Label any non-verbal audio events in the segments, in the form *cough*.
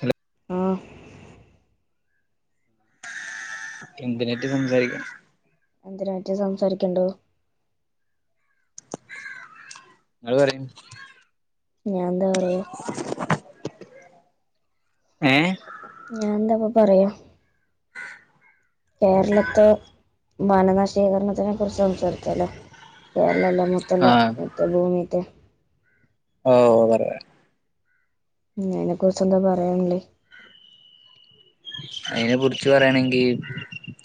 Hello ആഹ് എന്തിനായിറ്റ് സംസാരിക്കാണം എന്തെര് മറ്റേ സംസാരിക്കണ്ടോ ങ്ങള് പറയീം ഞാൻ എന്താ പറയ ഏഹ് ഞാൻ എന്താ ഇപ്പ പറയാ കേരളത്തെ വന നശീകരണത്തിനെ കുറിച്ച് സംസാരിച്ചാലോ കേരളം എല്ലാം മൊ ആഹ് *unintelligible* മറ്റെ ഭൂമിറ്റെ ഓഹ് പറയാം ഉം അതിനെ കുറിച്ച് എന്താ പറയാനുള്ളെ അയിനെ കുറിച്ച് പറയാണെങ്കി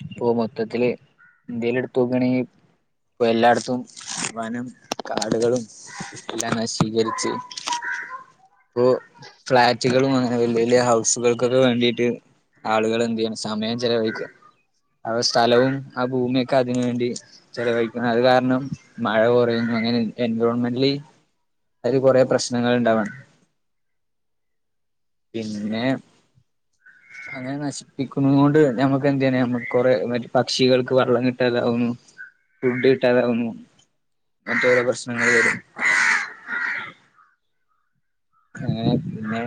ഇപ്പോ മൊത്തത്തില് ഇന്ത്യേല് എടുത്തോക്കേണങ്കി ഇപ്പൊ എല്ലാടത്തും വനം കാടുകളും എല്ലാം നശീകരിച്ച് ഇപ്പൊ ഫ്ളാറ്റുകളും അങ്ങനെ വല്യ വല്യ ഹൗസുകൾക്കൊക്കെ വേണ്ടീട്ട് ആളുകള് എന്തേയ്യണ് സമയം ചെലവഴിക്ക ആ സ്ഥലവും ആ ഭൂമിയൊക്കെ അതിന് വേണ്ടി ചെലവഴിക്കുന്നു അത് കാരണം മഴ കൊറയുന്നു അങ്ങനെ എൻവയൊൺമെന്റലി അയില് കൊറെ പ്രശ്നങ്ങൾ ഇണ്ടാവാണ് പിന്നെ അങ്ങനെ നശ് പ്പിക്കുന്നൊണ്ട് ഞമ്മക്ക് എന്തേന് നമ്മക്ക് കൊറെ മറ്റേ പക്ഷികൾക്ക് വെള്ളം കിട്ടാതാവുന്നു ഫുഡ് കിട്ടാതാവുന്നു മറ്റ് ഓരോ പ്രശ്നങ്ങള് വരും അങ്ങനെ പിന്നെ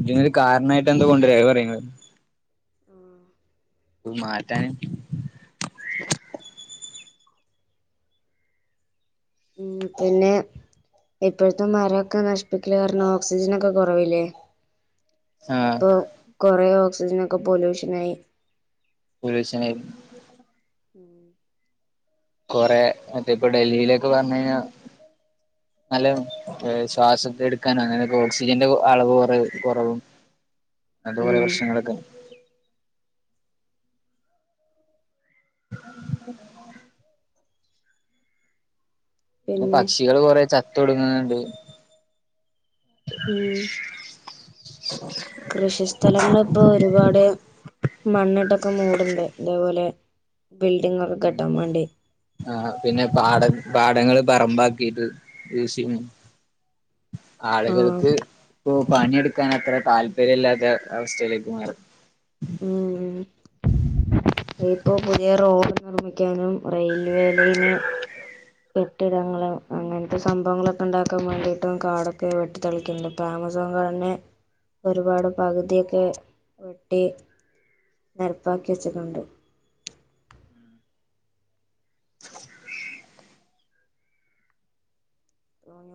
ഇതിനോരു കാരണമായിട്ട് എന്താ കൊണ്ടുവരാ അത് പറയി ഇങ്ങള് ഉം *unintelligible* മാറ്റാന് ഉം പിന്നെ ഇപ്പൊഴ്‌ത്തെ മരോക്ക നശിപ്പിക്കല് കാരണം ഓക്സിജനൊക്കെ കൊറവില്ലേ ആഹ് ഇപ്പൊ കൊറെ ഓക്സിജൻ ഒക്കെ പൊല്യൂഷൻ ആയി പൊല്യൂഷനായി ഉം കൊറേ മറ്റേപ്പൊ ഡൽഹീലൊക്കെ പർ ഞ്ഞീന്യാ നല്ല ശ്വാസത്തെ എടുക്കാനങ്ങനക്കെ ഓക്സിജന്റെ അളവ് കൊറ കൊറവും അങ്ങൻത്തെ ഉം കുറേ പ്രശനങ്ങളൊക്കെ ന്നെ പിന്നെ പക്ഷികള് കൊറെ ചത്തൊടുങ്ങ്ന്ന്ണ്ട് ഉം കൃഷി സ്ഥലങ്ങൾപ്പോ ഒരുപാട് മണ്ണിട്ടൊക്കെ മൂട്ണ്ട് തേപോലെ ബിൽഡിംങ്ങൊക്കെ കെട്ടാൻ വേണ്ടി ആഹ് പിന്നെ പാട പാടങ്ങള് പറമ്പാക്കിട്ട് യൂസിങ്ങ് ആഹ് ആള്കൾക്ക് പ്പൊ പണിയെടുക്കാൻ അത്ര താല്പര്യല്ലാത്ത അവസ്ഥയിലേക്ക് മാറി ഉം അതിപ്പോ പുതിയ റോഡ് നിർമ്മിക്കാനും റെയിൽവേല് പിന്നെ കെട്ടിടങ്ങളും അങ്ങൻത്തെ സംഭവങ്ങളൊക്കെണ്ടാക്കാൻ വേണ്ടിട്ടും കാടൊക്കെ വെട്ടി തളിക്ക്ണ്ട് പ്പാമസോൺ കാടെന്നെ ഒരുപാട് പകുതിയൊക്കെ വെട്ടി നെരപ്പാക്കി വെച്ചിട്ടുണ്ട്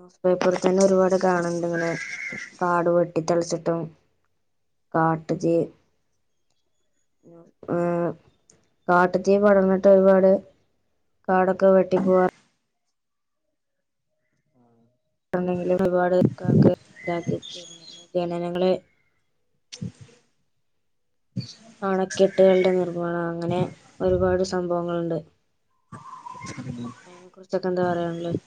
ന്യൂസ് പേപ്പറി തന്നെ ഒരുപാട് കാണ് ണ്ട്, ങ്ങനെ കാട് വെട്ടി തൾച്ചിട്ടും കാട്ടുതീയ്യ് ഏഹ്‌ കാട്ട്തീ പടർന്നിട്ടൊരുപാട് കാടൊക്കെ വെട്ടി പോവാ ണ്ടെങ്കില ഒരുപാട്ൾക്ക് ഇതാക്കി ഗഖണനങ്ങളെ അണക്കെട്ടുകൾടെ നിർമ്മാണം, അങ്ങനെ ഒരുപാട് സംഭവങ്ങൾണ്ട് അ *inaudible* അയ്നെ കുറിച്ചൊക്കെന്താ പറയാൻ ള്ളത്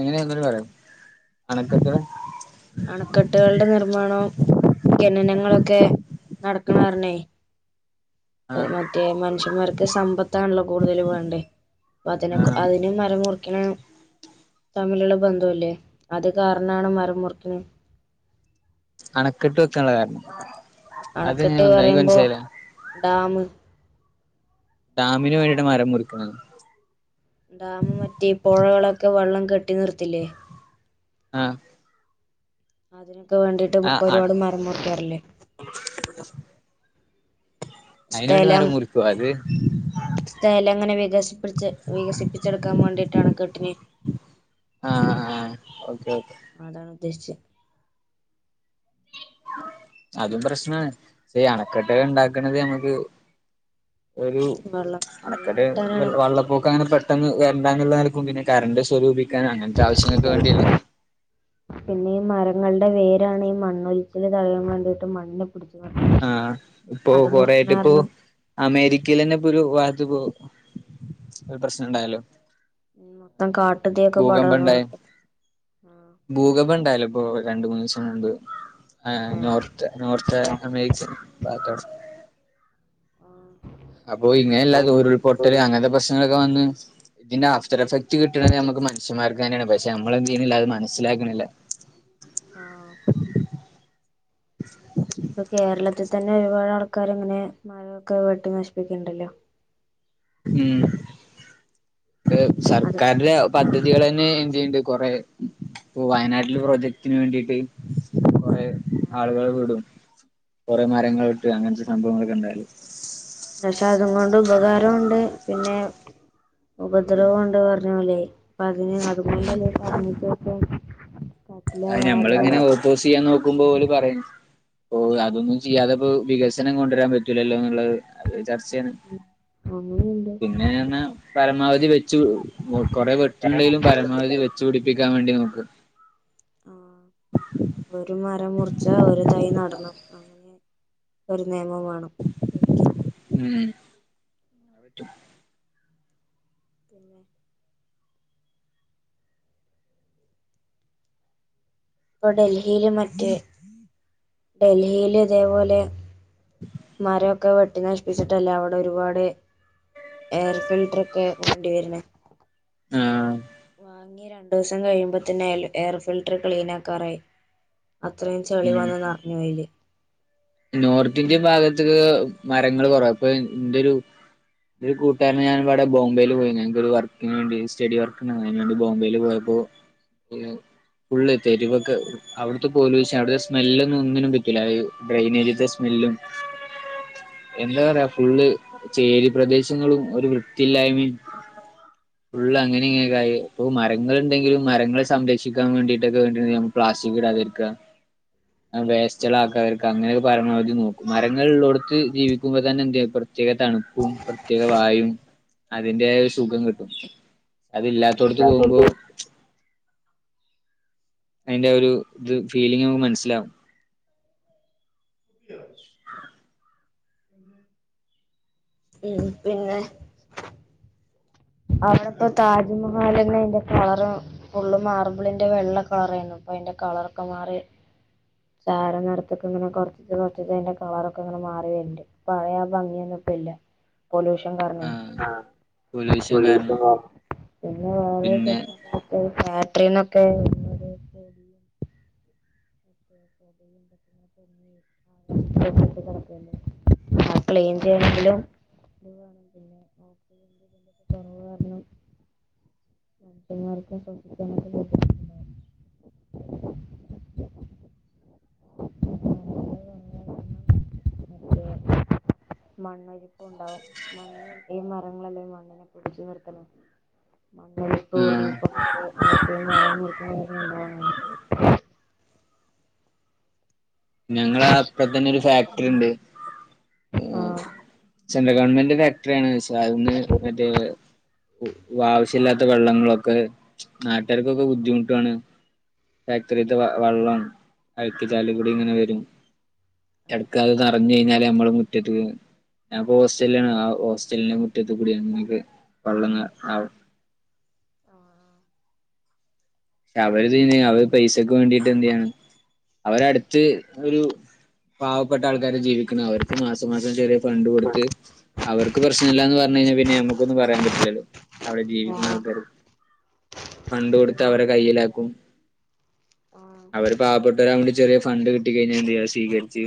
എങ്ങനെഒന്നൂടി പറയൊ അണക്കട്ടും അണക്കെട്ടുകളുടെ നിർമ്മാണവും ഖനനങ്ങളൊക്കെ നടക്കണ കാർണേ ആഹ് മറ്റേ മനുഷ്യന്മാർക്ക് സമ്പത്താൺല്ലോ കൂടുതൽ വേണ്ടേ പ്പതിനെക്ക ആഹ് അതിനും മരം മുറിക്ക്ണ് തമ്മിലുള്ള ബന്ധവ് ല്ലേ. അത് കാർണാ ണ് മരം മുറിക്കിണെ അണക്കെട്ട് വെക്കാൻള്ള കാരണം അതെങ്ങനെ അണക്കെട്ട് എന്താ എനിക്ക് പറയുമ്പോ മനസ്സിലായില്ല ഡാമ് ഡാമിന് വേണ്ടിയി്ട്ടാ മരം മുറിക്ക്ണത് ന്നൊ ഡാമ് മറ്റേ പൊഴകളൊക്കെ വെള്ളം കെട്ടി നിർത്തില്ലേ ആഹ്‌ അതിനൊക്കെ വേണ്ടിട്ട് ആഹ് ആഹ് ഒരുപാട് മരം മുറിക്കാറില്ലേ *inaudible* അയ്ന് വേണ്ടി മരം മുറിക്കു അത് സ്ഥലംങ്ങനെ വികസിപ്പിച്ച വികസിപ്പിച്ചെടുക്കാൻ വേണ്ടിയിട്ടാണക്കെട്ടിന് ആഹ്‌ ആഹ്‌ ഓക്കെ ഓക്കെ ആതാണ് ഉദ്ദേശ് ച്ചെ ആ *inaudible* അതും പ്രശ്നാണ്. പ്പ ഈ അണക്കെട്ടുകള്ണ്ടാക്ക്ണത് ഞമക്ക് ഒരു വെള്ളം വെള്ളം അണക്കട്ട് വെൽ കിട്ടാനാണ് വള്ളപ്പൊക്ക അങ്ങനെ പെട് ട്ടൊന്ന് വര്ണ്ടന്ന്ള്ള നൽക്കും പിന്നെ കര്ണ്ട് സ്വരൂപിക്കാനും അങ്ങൻത്താവിശ്യങ്ങൾക്ക് വേണ്ടിയല്ലേ പിന്നീ മരങ്ങൾടെ വേരാണ് ഈ മണ്ണൊലിച്ചില്തടയാൻ വേണ്ടിട്ട് മണ്ണ് പിടിച്ച് വാ ആഹ്‌ ഇപ്പൊ കൊറേആയിട്ടിപ്പൊ അമേരിക്കയിലെന്നെപ്പൊരു വാത്ത പൊ ഒരു പ്രശ്നണ്ടായല്ലൊ ഉം മൊത്തം കാട്ടുത്തീഒക്കെ പടർന്ന്ന്നേട്ട് ഭൂകമ്പണ്ടായല്ലൊപ്പൊ രണ്ട് മൂന്നീസം മുമ്പ്. ഏഹ്‌ ആഹ് നോർത്ത് നോർത്തെ അമേരിച്ച *unintelligible* ബക്ക അപ്പോ ഇങ്ങനെയല്ല തോരുൾപൊട്ടല് ആഹ് അങ്ങനത്തെ പ്രശ്നങ്ങളൊക്കെ വന്ന് ഇതിന്റെ ആഫ്റ്റർ എഫക്റ്റ് കിട്ടണ നമുക്ക് മനുഷ്യമാർക്ക് തന്നാണ് പക്ഷെ നമ്മൾ എന്ത് ചെയ്യുന്നില്ല അത് മനസിലാക്കുന്നില്ല ആഹ് ഇപ്പൊ കേരളത്തിൽ തന്നെ ഒരുപാട് ആൾക്കാർ ഇങ്ങനെ മരൊക്കെ വെട്ടി നശിപ്പിക്കണ്ടല്ലോ ഉം അത് സർക്കാരിടെ പദ്ധതികൾ തന്നെ എന്ത് ചെയുണ്ട് കൊറെ ഇപ്പ വയനാട്ടില് പ്രൊജക്റ്റന് വേണ്ടീട്ട് കോറേ ആളുകൾ വിടും കുറെ മരങ്ങൾ വെട്ട് അങ്ങനത്തെ സംഭവങ്ങളൊക്കെ ഉണ്ടായല് പക്ഷെതും കൊണ്ട് ഉപകാരം ഉണ്ടേ പിന്നെ ഉപദ്രവം കൊണ്ട് പറഞ്ഞപോലയ് അതിന് ഉം അതുകൊണ്ടല്ലേക്ക *unintelligible* അയിഞമ്മളിങ്ങനെ ഓപ്പോസ് ചെയ്യാൻ നോക്കുമ്പോ ഓല് പറയു ഓ അങ്ങനെയുണ്ട് അതൊന്നും ചെയ്യാതെപ്പോ വികസനം കൊണ്ടുവരാൻ പറ്റൂലല്ലോ എന്നുള്ളത് അത് ചർച്ചയാണ് അങ്ങനെയ ഉണ്ട് പിന്നൊ പരമാവധി വെച്ച് കൊറെ വെട്ടുണ്ടെങ്കലും പരമാവധി വെ വെചുടിപ്പിക്കാൻ വേണ്ടി നോക്ക് ആഹ് ഒരു മരം മുറിച്ച ഒരു തൈ നടണം അങ്ങനെ ഒരു നിയമം വേണം ശരിക്ക ഉം പിന്നെ ഇപ്പൊ ഡൽഹിയില് മറ്റേ ഡൽഹിയില് ഇതേപോലെ *inaudible* മാരൊക്കെ വെട്ടി നശിപ്പിച്ചിട്ടല്ലേ അവിടെ ഒരുപാട് എയർ ഫിൽട്ടർ ഒക്കെ വേണ്ടി വരണ ആഹ് വാങ്ങി രണ്ടു ദിവസം കഴിയുമ്പോത്തനായാും എയർ ഫിൽട്ടർ ക്ലീൻ ആക്കാറായി അത്രയും ചെളി ഉം വന്നു നിഞ്ഞു ആയില് നോർത്ത് ഇന്ത്യൻ ഭാഗത്തക്ക് മരങ്ങൾ കുറവ അപ്പൊ എന്റെ ഒരു ഇ കൂട്ടുകാര ഞാാനവി ബംബയി പോയി എനക്ക് ഒരു വർക്കിന് വേണ്ടി സ്റ്റഡി വർക്ക ഉണ്ട് അതിന് വേി ബോംബെയിൽ പോയപ്പോൾ *unintelligible* ഫുള്ളള് തെരുവൊക്കെ അവിടുത്തെ പോല അവിടുടെ സ്മെല്ലൊന്നും ഒന്നിനും പറ്റില്ല അത് ഡ്രെനേജിന്റെ സ്മെല്ലും എന്താ പറയാ ഫുള്ള് ചേരി പ്രദേശങ്ങളും ഒരു വൃത്തിയില്ലായ്മയും ഫള് അങ്ങനെ ഇങ്ങനൊക്കൊയി ഇപ്പൊ മരങ്ങൾ ഉണ്ടെങ്കിലും മരങ്ങളെ സംരക്ഷിക്കാൻ വേണ്ടിട്ടൊക്കെ വേണ്ടി പ്ലാസ്റ്റക് ഇടാതിരിക്കുക വേസ്റ്റക ആക്കുകവർക്ക് അങ്ങനെയൊക്കെ പരമാവധി നോക്കും മരങ്ങഉകൊടുത്ത് ജീവിക്കുമ്പോ തന്നെ എന്ത് ഇ പ്രത്യേക തണുപ്പും പ്രത്യേക വായും അതിന്റെ സുഖം കിട്ടും അത്ല്ലാത്തോടത്ത് പോകുമ്പോ ഇല്ലാത്തോടത്ത് അതിന്റെ ഒരു ഇത് ഫീലിംഗ നമുക്ക് മനസ്സിലാവും ഉം പിന്നെ അവിടെ ഇപ്പോ താജ്മഹൽ എന്ന അതിന്റെ കളർ ഫുള്ള് മാർബിളിന്റെ വെള്ള കളറായിരുന്നു അപ്പൊ അതിന്റെ കളറൊക്കെ മാറി ചാരം നടടുത്തക്ക ഇങ്ങനെ കൊറച്ചത് കുറച്ച അതി്ന്റെ കളറൊക്കെ ഇങ്ങനെ മാറി വരുണ്ട് പഴയ ഭംഗിയൊന്നുംപ്പ ഇല്ല പൊല്യൂഷൻ ആ കരണം *unintelligible* പൊല്യൂഷൻ കാരണം പിന്നെ വേറെ പിന്നെ പ്രശ്ന ഫാടീനൊക്കെ *unintelligible* ക്ലീൻ ചെയ്യണെങ്കിലും വണം പിന്നെഓറവ് കാരണം മന്മാർക്കും സധിക്കാനൊക്കെ പോ *inaudible* മണ്ണൊലിപ്പും ഉണ്ടാവും ഈ മരങ്ങളല്ലേ മണ്ണിനെ പിടിച്ചു നിറ് തനത് ആ *unintelligible* ഞങ്ങള അപ്പറത്തന്നെ ഒരു ഫാക്ടറി ഉണ്ട് ആഹ സെൻട്രൽ ഗവൺമെന്റ് ഫാക്ടറിയാണോന്ന് ചോദിച്ച് അതൊന്ന് മറ്റേത് ആവശ്യമില്ലാത്ത വെള്ളങ്ങളൊക്കെ നാട്ടുകാർക്കൊക്കെ ബുദ്ധിമുട്ടാണ് ഫാക്ടറിത്തെ വെ വെള്ളം അഴുക്ക്‌ ചാലി കൂടി ഇങ്ങനെ വരും. എടക്ക അത് നിറഞ്ഞു കഴിഞ്ഞാല് നമ്മടെ മുറ്റത്ത് വരും ഞാൻ ഹോസ്റ്റലിലാ ഹോസ്റ്റലിന്റെ മുറ്റത്ത് നമ്മൾക്ക് വള്ളം ഇങ്ങനെ ആവും ആഹ് അവര് ചെയ്യുന്നേ അവര് പൈസക്ക് വേണ്ടിട്ട് എന്ത് ചെയ്യാനാ അവരടുത്ത് ഒരു പാവപ്പെട്ട ആൾക്കാരാ ജീവിക്കു അവർക്ക് മാസം മാസം ചെറിയ ഫണ്ട് കൊടുത്ത് അവർക്ക് പ്രശ്ന ഇല്ലന്ന് പറഞ്ഞു കഴിഞ്ഞാൽ പിന്നെ നമക്കൊന്നും പറയാൻ പറ്റില്ലല്ലോ അവിടെ ജീവിക്കുന്ന ആഹ് ആഹ് ആൾക്കാർ ഫണ്ട് കൊടുത്ത അവരെ കയ്യിലാക്കും ആഹ് അവര് പാവപ്പെട്ടവരയോണ്ടി ചെറിയ ഫണ്ട് കിട്ടി കഴിഞ്ഞാ എന്ത് ചെയ്യും സ്വീകരിച്ചു.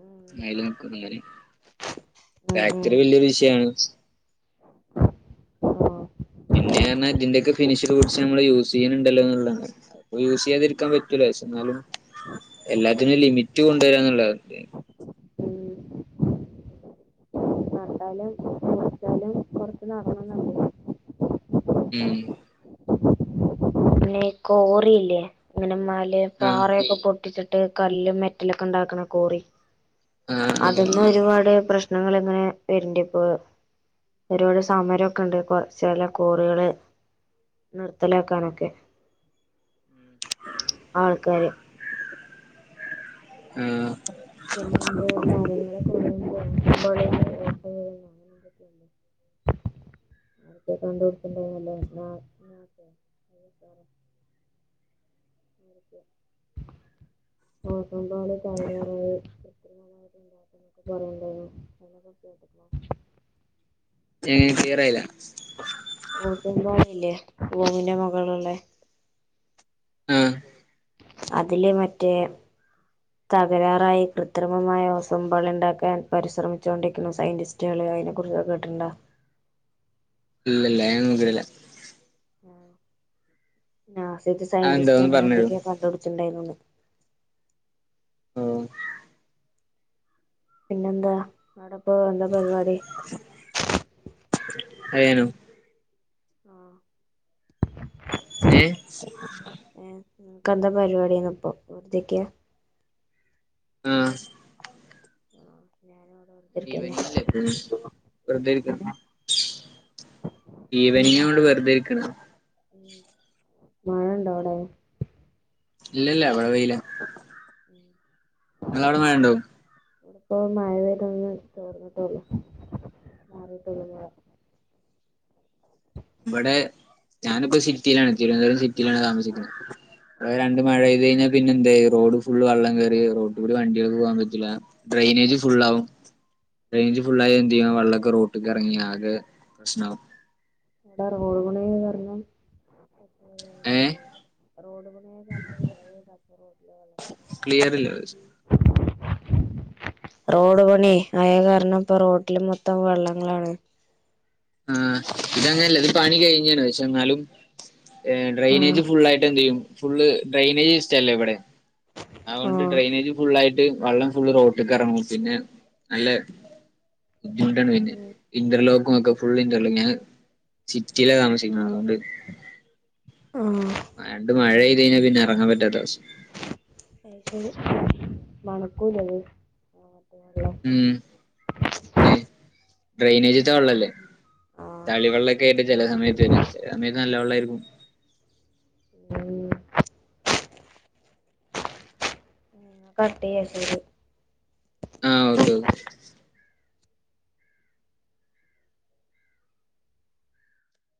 ഉം അതില് നിക്കും എന്ന് ഉം ഉം പറയുംഫാക്ടറി വലിയൊരു വിഷയാണ് ആഹ് പിന്നെ പറഞ്ഞാൽഇതിന്റെയൊക്കെ ഫിനിഷ് *unintelligible* നമ്മള് യൂസ് ചെയ്യുന്നുണ്ടല്ലോ എന്നുള്ളതാണ് യൂസ് ചെയ്യാതിരിക്കാൻ പറ്റൂല പക്ഷേ എന്നാലും എല്ലാത്തിനുംഒരു ലിമിറ്റ് കൊണ്ടുവരാന്നുള്ള ഉം നട്ടാലും കിളിച്ചാലും കുറച്ച് നാറണന്നല്ലേ ഉള്ളു ഉം പിന്നെ ഈ കോറിയില്ലേ ഇങ്ങനെ മല ആഹ് പാറയൊക്കെ പൊട്ടിച്ചിട്ട് കല്ലും മെറ്റലൊക്കെ ഉണ്ടാക്കണ കോറി ആഹ് ആഹ് അതൊന്ന് വെ ഒരുപാട് പ്രശ്നങ്ങൾ ഇങ്ങനെ വരണ്ടിയിപ്പോ ഒരുപാട് സമരമൊക്കെ ഉണ്ട് കൊറെ ചെല കോറികള് നിർത്തലാക്കാനൊക്കെ ആൾക്കാര് ആ ഹ് *unintelligible* *unintelligible* നോക്കുമ്പോളെ തലകറങ്ങും *unintelligible* *unintelligible* പറയന്നു ണ്ടായിരുന്നു അതിനെ കുറിച്ച് കേട്ടിട്ടുണ്ടോ ച്ചി ക്ലിയറായില്ല ഓസോൺ പാളി ഇല്ലേ ഭൂമിന്റെ മുകളിലുള്ളേ ആഹ് അതില് മറ്റേ തകരാറായി കൃത്രിമമായ ഓസോൺ പാളി ഉണ്ടാക്കാൻ പരിശ്രമിച്ചുകൊണ്ടിരിക്കുന്നു സയന്റിസ്റ്റ് സയൻ്റിസ്റ്റൽ അതിനെ കുറിച്ചൊക്കെ കേട്ടിട്ടുണ്ടോ ഇല്ലില്ല അയൊന്നും കേട്ടില്ല നാസയിലെ അതെന്താ സയന്റിസ്റ്റ് ഒന്ന് അങ്ങനെ പറഞ്ഞരോ എന്തൊക്കെയോ കണ്ട് പിടിച്ചിട്ടു ണ്ടായിരുന്നുന്ന് ആഹ് പിന്നെ എന്താ അവിടിപ്പോ എന്താ പരിപാടി അയനോ ആ ഹ് ഏ ഏ നിക്ക് എന്താ പരിപാടിയിന്ന് ഇപ്പം എന്തെക്കെയാ ആഹ് ആഹ് ഞാനിവിടെ ഈവനിങ്ങല്ലേ എപ്പോഴും വെറുതെരിക്കണ് ഈവനിംഗ് ഇവിടെ വെറുതെ ഇരിക്കണ്. മഴയുണ്ടോ അവിടെ ഇല്ലില്ല ഇവിടെ വെയിലാ നിങ്ങടെ അവിടെ മഴയുണ്ടോ? ഇവിടിപ്പോ മഴ പെയ്തൊന്നു തോർന്നിട്ടേ ഉള്ളൂ ചാറിയിട്ടേ ഉള്ളൂ മഴ ഇവിടെ ഞാനിപ്പോ സിറ്റിയിലാണ് തിരുവനന്തപുരം സിറ്റിയിലാണ് താമസിക്കുന്നത്. ഇവിടെ രണ്ട് മഴേ കയിഞ്ഞു പിന്നെ എന്തായി റോഡ് ഫുള്ള് വള്ളം കയറി റോഡ് കൂടി വണ്ടികൾക്ക പോകാൻ പറ്റുല്ല ഡ്രെയിനേജ് ഫുുള്ള് ആവും റേഞ്ച് ഫുള്ള് ആയേ ചെയ്യണ് വള്ളൊക്കെ റോട്ടക്ക് എറങ്ങി ആകെ പ്രശ്നാവും അവിടെ എറങ്ങണോന്ന് പറഞ്ഞു ഏ മണിയാകും തന്നെയാണ് റോഡ് പണിയായ കാരണം മഴ പെയ്താ അപ്പോ റോഡില് വെള്ളക്കെട്ടാണ് ക്ലിയർ ഇല്ല റോഡ് പണി അയ കാരണം ഇപ്പ റോഡില് മൊത്തം വെള്ളം കയറി ആഹ് ഇതങ്ങനെ അല്ല ഇത് പണി കഴിഞ്ഞണ് പക്ഷെ എന്നാലും ആഹ് ഡ്രൈനേജ് ഫുള്ള് ആയിട്ട് എന്ത് ചെയ്യും ഫുള്ള് ഡ്രെയിനേജസ് അല്ലേ ഇവിടെ അതു കൊണ്ട് ആഹ് ഡ്രെയിനേജ് ഫുള്ളായിട്ട് വെള്ളം ഫുള്ള് റോട്ടക്ക ഇറങ്ങും പിന്നെ അല്ലെ *unintelligible* ഉം ഇന്റർലോക്കും ഒക്കെ ഫുള്ളിന്റെ ഉളില് സിറ്റില ആണ് വെച്ചിരിക്കുന്നത് അതുകൊണ്ട് ആഹ് ആ രണ്ട് മഴ ആയി കഴിഞ്ഞാ പിന്നെ ഇറങ്ങാൻ പറ്റാത്ത ആവിശ്യാം അ പിന്നെ മണക്കൂലന്ന് *unintelligible* ഉം പിന്നെ ഡ്രൈനേജ് ത ഒള്ളല്ലേ ആഹ് തളിവെള്ള എക്കെ എന്റെ ചെല സമയത്ത് വരാ ചില സമയത്ത് നല്ല വെള്ള ആയിരിക്കും ഉം ഉ നിങ്ങക്ക് ഒക്കെ എടുതുടെ ആഹ് ഒപ്രട്ടു